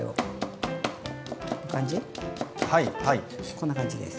こんな感じです。